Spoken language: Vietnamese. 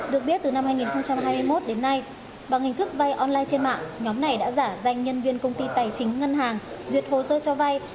được biết từ năm hai nghìn hai mươi một đến nay bằng hình thức vay online trên mạng nhóm này đã giả danh nhân viên công ty tài chính ngân hàng duyệt hồ sơ cho vay